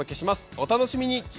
お楽しみに。